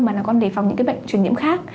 mà còn đề phòng những bệnh truyền nhiễm khác